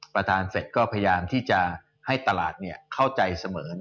ประธานเสร็จก็พยายามที่จะให้ตลาดเข้าใจเสมอ